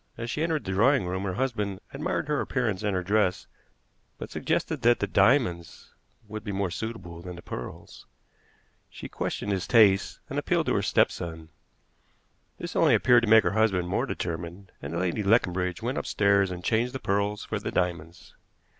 As she entered the drawing room her husband admired her appearance and her dress, but suggested that the diamonds would be more suitable than the pearls. She questioned his taste, and appealed to her stepson. This only appeared to make her husband more determined, and Lady Leconbridge went upstairs and changed the pearls for the diamonds.